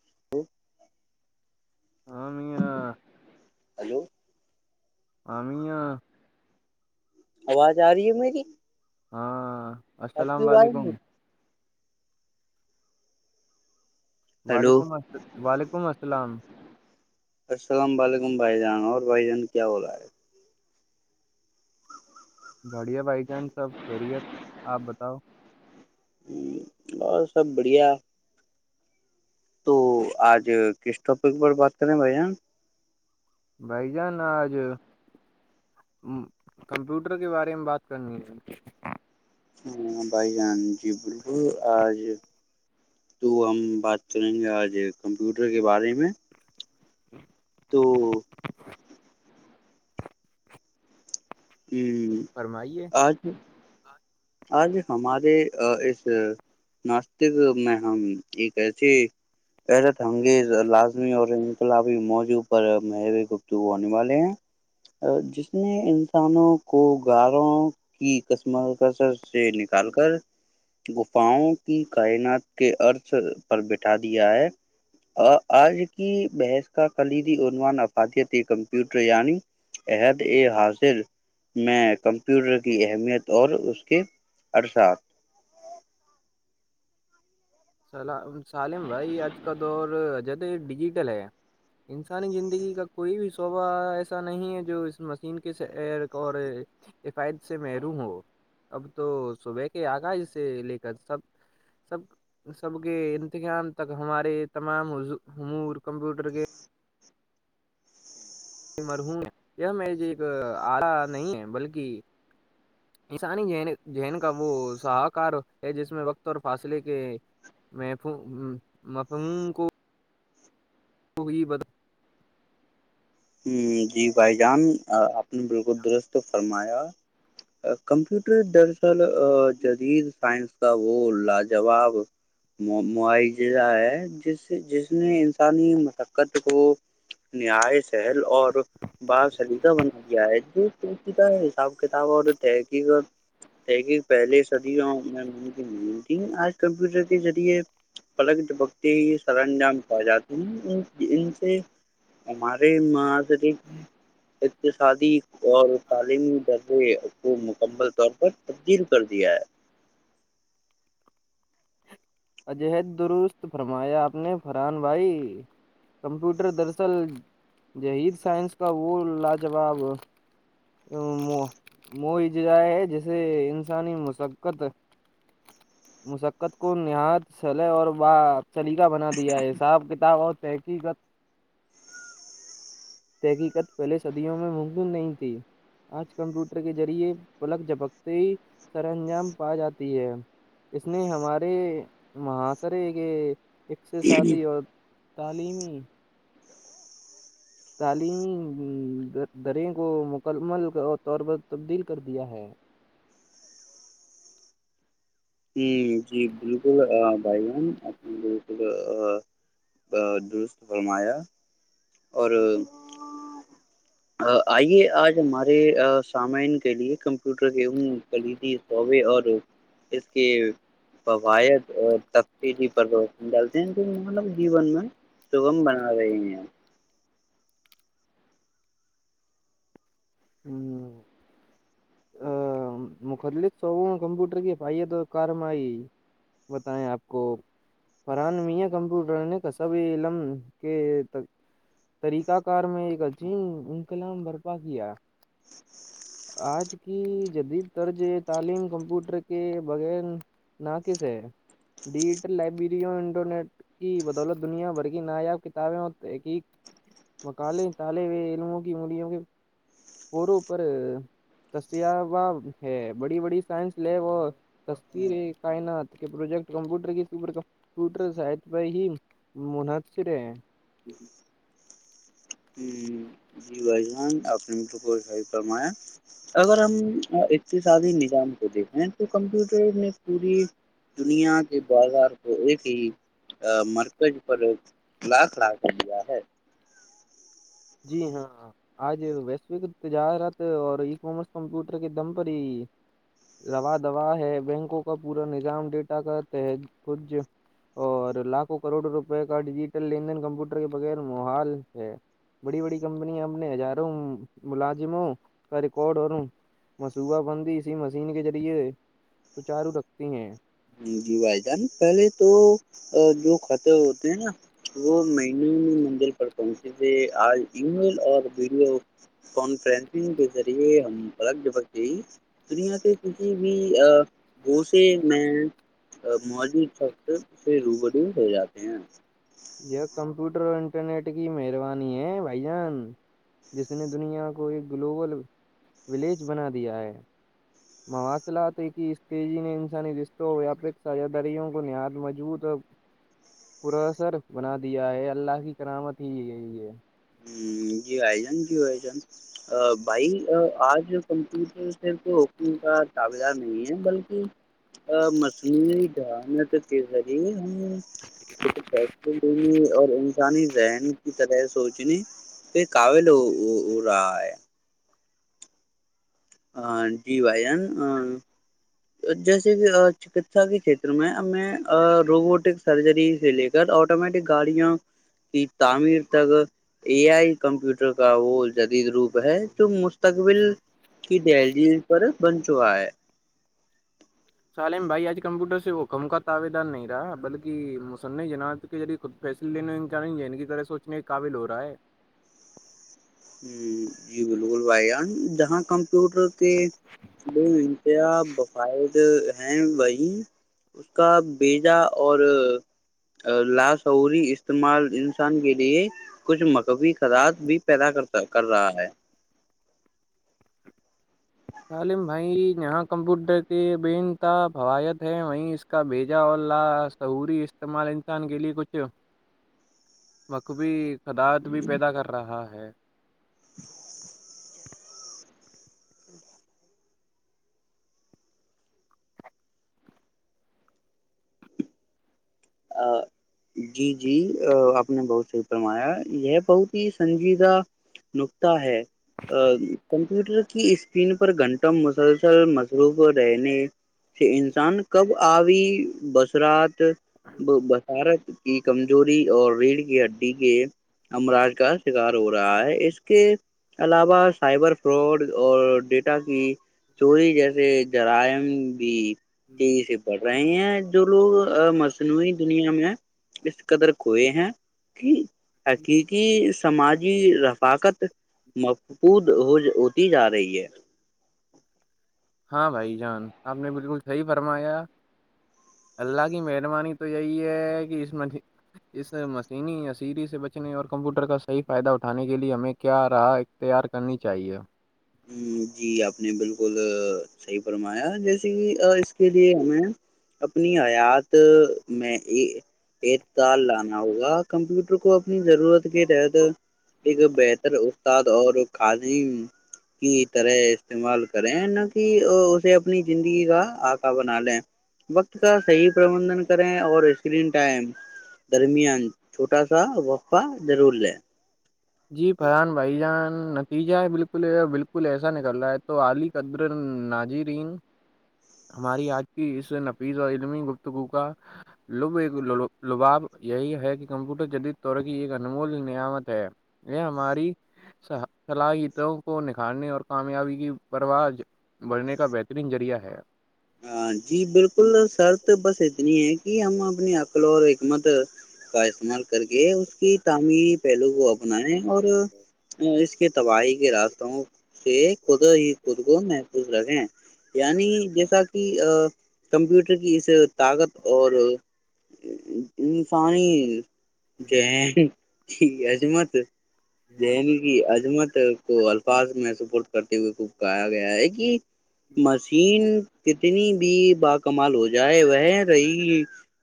ہ [unintelligible] ہیلو [unintelligible] ہم یہ [unintelligible] آواز آ رہی ہے میری [unintelligible] ہاں [unintelligible] السلام علیکم وعلیکم الس وعلیکم السلام [unintelligible] السلام و علیکم بھائی جان اور بھائی جان کیا ہو رہا ہے بڑھیا بھائی جان سب خیریت آپ بتاؤ ہ اور سب بڑھیا [unintelligible] تو آج [unintelligible] کس ٹاپک پر بات کریں ہیں بھائیان بھائی جان آج کمپیوٹر کے بارے میں بات کرنی ہے [unintelligible] ہاں بھائی جان جی بالکل آج تو ہم بات کریں گے آج کمپیوٹر کے بارے میں جی [unintelligible] تو [unintelligible] فرمائیے آجی ہماں آج اس ناسک میں ہم ایک ایسیےیرت ہگیز لازمی اور انقلابی موضوع پر م گپتگ ہونے والے ہیں جس نے انسانوں کو گغاروں کی قسمت [unintelligible] نکال کر گفاں کی کائنات کے ارس پر بٹھا دیا ہے آج کی بحث کا کلیدی عنوان افادیت کمپیوٹر یعنی عہد ا حاضر میں کمپیوٹر کی اہمیت اور [unintelligible] کے ارسات [unintelligible] سل سالم بھائی آج کا دور ججد ڈیجیٹل ہے انسانی زندگی کا کوئی بھی شعبہ ایسا نہیں ہے جو اس مشین کے سیر اور حفائت سے محروم ہو اب تو صبح کے آغاز سے لے کر سب سب [unintelligible] سب کے انتظام تک ہمارے تمام امور کمپیوٹر کے مر ہوں ہے یہ م ایک آلہ نہیں ہے بلکہ انسانی جن کا وہ ساہکار ہے جس میں وقت اور فاصلے کے مف مف کو [unintelligible] تو گی بد [unintelligible] جی بھائی جان [unintelligible] بالکل درست فرمایا [unintelligible] کمپیوٹر درصل جدید سائنس کا وہ لاجواب معائجہ ہے جس جس نے انسانی مستقت کو نیای سہل اور [unintelligible] بال سدقہ بنا گیا ہے جوقی کا حساب کتاب اور تحقیق اور تحقیق پہلے صدی میں کی نہیں تھی آج کمپیوٹر کے ذریعے پک ہی سرنجام پ جاتے ہیں ان سے ہمارے مذر [unintelligible] اقتصادی اور تعلیمی درجے کو مکمل طور پر تبدیل کر دیا ہے [unintelligible] اجد درست فرمایا آپ [unintelligible] نے فران بھائی کمپیوٹر دراصل جہید سائنس کا وہ لاجاب مو اجائے ہے جسے انسانی مسقت کو نہایت سلے اور ب چلی [unintelligible] بنا دیا حساب کتاب اور تحقیقت تحقیقت پہلے صدیوں میں ممکن نہیں تھی آج کمپیوٹر کے ذریعے پلک جپکتی سرانجام پا جاتی ہے اس نے ہمارے محاشرے کے [unintelligible] ایک سے ساتی اور [unintelligible] تعلیمی تعلیم دریں کو مکمل طور پر تبدیل کر دیا ہے ہ جی بالکل بائی جان آپ بالکل درست فرمایا اور آئیے آج ہمارے سامعین کے لیے کمپیوٹر کے اوں خلیدی سوبے اور اس کے فوائد اور تفتیری پر روشن ڈالتے ہیں جو مانو جیون میں سگم بنا رہے ہیں ہوں مختلف شعبوں میں کمپیوٹر کی حفاہیت اور کارم آئی بتائیں آپ کو فران میاں کمپیوٹر نے کصب علم کے طریقہ کار میں ایک عجیم انقلام برپا کیا آج کی جدید طرز تعلیم کمپیوٹر کے بغیر ناقص ہے ڈیجیٹل لائبریریوں انٹرنیٹ کی بدولت دنیا بھر کی نایاب کتابیں اور تحقیق مال تالے علموں کی انگلیوں کے فوروں پر دستیاب ہے بڑی بڑی سائنس لیب اور سستی کائنات کے پروجیکٹ کمپیوٹر کی سپر کمپوٹر سحت پر ہی منحصر ہے آپ مٹ کو خائی پر م اگر ہم اقتصادی نظام کو دیکھیں تو کمپیوٹر نے پوری دنیا کے بازار کو ایک ہی مرکز پر لاکھ لاک کا دیا ہے جی ہاں آج ویشوک تجارات اور کامرس کمپیوٹر کے دم پر ہی رواادوا ہے بینکوں کا پورا نظام ڈیٹا کا تحت کج اور لاکھوں کروڑوں روپئے کا ڈیجیٹل لین دین کمپیوٹر کے بغیر محال ہے بڑی بڑی کمپنیاں اپنے ہزاروں ملازموں کا کو اور مصوبہ بندی اسی مشین کے ذریعے سچارو رکھتی ہیں جی بھائی جان پہلے تو جو کطے ہوتے ہیں نا وہ مہین میں منزل پر پہنچے تھے آج ای میل اور ویڈیو کانفرنسنگ کے ذریعے ہم الگ جبک گ ہی دنیا کے کسی بھی گوسے میں موجیا سے پ رو بڑی یہ کمپیوٹر انٹرنیٹ کی مہربانی ہے بھائی جان جس نے دنیا کو ایک گلوبل ولیج بنا دیا ہے مواصلات ہے کہ اس تیزی نے انسانی رشتوں ویاپک سج داریوں کو نہات مضبوط اور پراثر بنا دیا ہے اللہ کی کرامت ہی ہے جی آئے جان جی ہوئے جان بھائی آج کمپیوٹر صرف حکم کا تابلہ نہیں ہے بلکہ مصنوعی ذہانت کے ذریعے ہم خود فیصلے لینے اور انسانی ذہن کی طرح سوچنے پ کویل رہ ہے ہ جی بھائی جان جیسے کہ چکسا کے چھیتر میں روبوٹک سرجری سے لے کر آٹومیٹک گاڑوں کی تعمیر تک اے آئی کمپیوٹر کا وہ جدید روپ ہے جو تقبل کی دل جی اس پر بن چا ہے سالم بھائی آج کمپیوٹر سے حخم کا طعویدان نہیں رہا بلکہ مصنف جنات کے ریعے خود فیصلے لینے انلنج ہے ان کی طرح سوچنے کے قابل ہو رہا ہے ہ جی بالکل بھائی جان جہاں کم کپٹر کے دو مھنٹیا بقائد ہیں وہی اس کا بیجا اور لاشوری استعمال انسان کے لیے کچھ مکبی خدات بھی پیدا کرتا کر رہا ہے عالم بھائی جہاں کمپیوٹر کے بے انت فوایت ہیں وہیں اس کا بھیجا اور لاصعوری استعمال انسان کے لیے کچھ مخبی صدارت بھی پیدا کر رہا ہے ہے [inaudible] جی جی آپ نے بہت صحیح فرمایا یہ بہت ہی سنجیدہ نکتہ ہے کمپیوٹر کی اسکرین پر گھنٹہ مسلسل مصروف رہنے سے انسان کب آی بسرات بصارت کی کمزوری اور ریڑھ کی ہڈی کے امراض کا شکار ہو رہا ہے اس کے علاوہ سائبر فراڈ اور ڈیٹا کی چوری جیسے جرائم بھی تی س بڑ رہے ہیں جو لوگ م نوی دنیا میں اس قدر کھ یہ ہیں کہ آق کی سماجی رفاقت محبود ہو ہوتی جا رہی ہے ہاں بھائی جان آپ نے بالکل صحیح فرمایا اللہ کی مہربانی تو یہی ہے کہ اس م اس مشینی اسسیری سے بچنے اور کمپیوٹر کا صحیح فائدہ اٹھانے کے لیے ہمیں کیا راہ اختیار کرنی چاہیے ہ جی آپ نے بالکل صحیح فرمایا جیسے کہ اس کے لیے ہمیں اپنی حیات میں اعتال لانا ہوگا کمپیوٹر کو اپنی ضرورت کے تحت ایک بہتر استاد اور خالم کی طرح استعمال کریں نہ کہ اسے اپنی زندگی کا آکا بنا لے وقت کا صحیح پربندھن کریں اور اسکرین ٹائم درمیان چھوٹا سا وقفہ ضرور لے جی فران بھائی جان نتیجہ بالکل بالکل ایسا نکل رہا ہے تو علی قدر ناجرین ہماری آج کی اس نفیس اور علمی گفتگو کا ل ایک لباب یہی ہے کہ کمپیوٹر جدید طور کی ایک انمول نعمت ہے یہ ہماری صلاحیتوں کو نکھارنے اور کامیابی کی پرواہ بڑھنے کا بہترین ذریعہ ہے ہاں جی بالکل شرط بس اتنی ہے کہ ہم اپنی عقل اور حکمت کا استعمال کر کے اس کی تعمیر پہلو کو اپنیں اور اس کے تباہی کے راستوں سے خود ہی خود کو محفوظ رکھیں یعنی جیسا کمپیوٹر کی اس طاقت اور انسانی ذہن کی عظمت نی کی عزمت تو الفاظ میں سپورٹ کرتے ہوئے خب کہا گیا ہے کہ مشین کتنی بھی ب کمال ہو جائے وہ رہی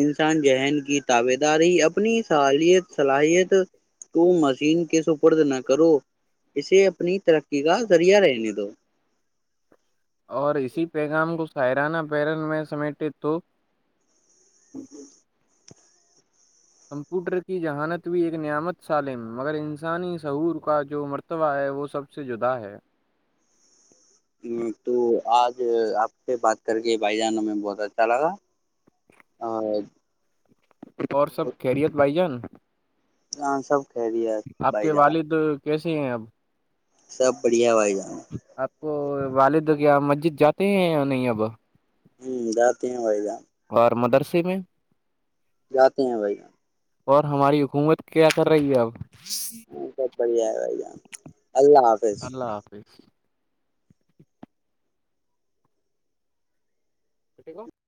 انسان ذہن کی تب د رہی اپنی صالت صلاحیت تو مشین کے سپرد نہ کرو اسے اپنی ترقی کا ذریعہ رہنے دو اور اسی پیغام کو سائرانہ پیرل میں سمیٹ ہ جی کمپیوٹر کی جہانت بھی ایک نعمت سالم مگر انسانی سعور کا جو مرتبہ ہے وہ سب سے جدا ہے تو آج آپ سے بات کر کے بھائی جان ہمیں بہت اچھا لگا اور اور سب خیریت بھائی جان ہاں سب آپ کے والد کیسے ہیں اب سب بڑھیا ہوائی جان وہ والد کیا مسجد جاتے ہیں یا نہیں اب ہوں جاراتین وہدا اور مدرسے میں اور ہماری حکومت کیا کر رہی ہے اب ہاں سب بڑھیا ہے بھائی جام اللہ حافظ [inaudible] کٹے کو [inaudible]